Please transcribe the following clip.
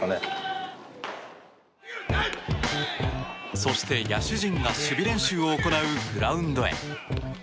そして野手陣が守備練習を行うグラウンドへ。